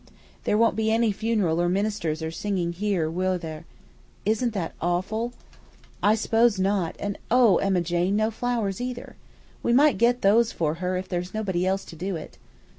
"There won't be any funeral or ministers or singing here, will there? Isn't that awful?" "I s'pose not; and oh, Emma Jane, no flowers either. We might get those for her if there's nobody else to do it."